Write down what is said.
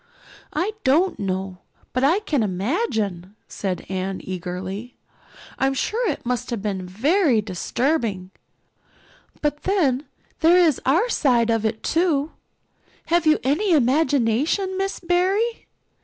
"I don't know, but I can imagine," said Anne eagerly. "I'm sure it must have been very disturbing. But then, there is our side of it too. Have you any imagination, Miss Barry?